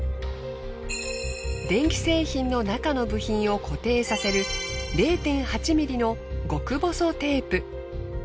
電気製品の中の部品を固定させる０．８ｍｍの極細テープ。